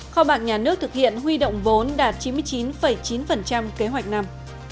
kho bạc nhà nước thực hiện huy động vốn đạt chín mươi chín chín kế hoạch năm